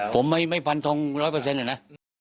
ผมไม่ฟันทง๑๐๐นะ